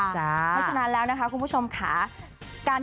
เพราะฉะนั้นแล้วนะคะคุณผู้ชมค่ะ